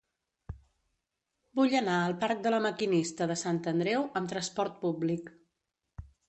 Vull anar al parc de La Maquinista de Sant Andreu amb trasport públic.